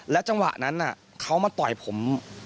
จังหวะนั้นเขามาต่อยผม